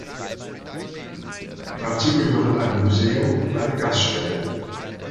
Dazu gehören ein Museum und eine Gaststätte.